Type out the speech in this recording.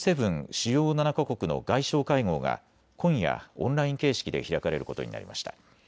・主要７か国の外相会合が今夜、オンライン形式で開かれることになりました。